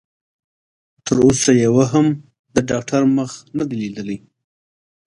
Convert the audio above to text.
تر اوسه يوه هم د ډاکټر مخ نه دی ليدلی.